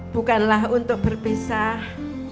bukanlah untuk berpisah